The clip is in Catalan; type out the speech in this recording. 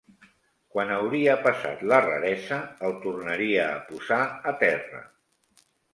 Quan hauria passat la raresa el tornaria a posar a terra